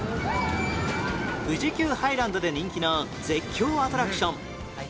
富士急ハイランドで人気の絶叫アトラクション